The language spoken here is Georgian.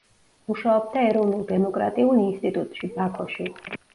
მუშაობდა ეროვნულ დემოკრატიულ ინსტიტუტში, ბაქოში.